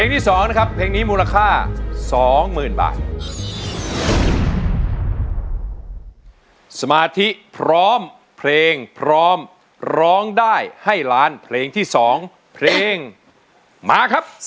ใช้หรือไม่ใช้ครับ